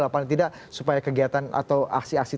paling tidak supaya kegiatan atau aksi aksi